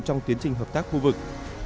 trong tiến trình hợp tác khu vực